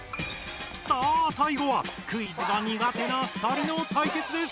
さあさいごはクイズが苦手な２人の対決です！